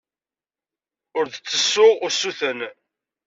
Ur d-ttessuɣ usuten.